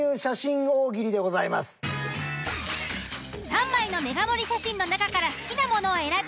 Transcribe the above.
３枚のメガ盛り写真の中から好きなものを選び